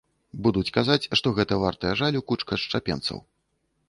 Будуць казаць, што гэта вартая жалю кучка адшчапенцаў.